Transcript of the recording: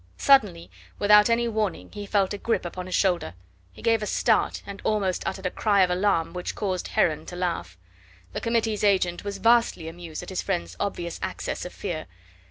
Suddenly, without any warning he felt a grip upon his shoulder. He gave a start and almost uttered a cry of alarm which caused Heron to laugh. The Committee's agent was vastly amused at his friend's obvious access of fear.